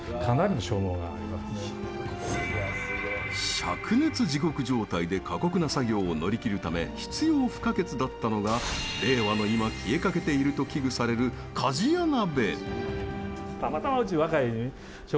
しゃく熱地獄状態で過酷な作業を乗り切るため必要不可欠だったのが、令和の今消えかけていると危惧される「鍛冶屋鍋」。